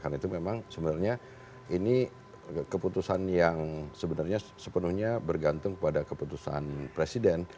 karena itu memang sebenarnya ini keputusan yang sebenarnya sepenuhnya bergantung kepada keputusan presiden